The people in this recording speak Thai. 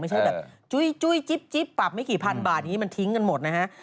ไม่ใช่แบบจุ้ยจิ๊บปรับไม่กี่พันบาทอย่างนี้มันทิ้งกันหมดนะฮะ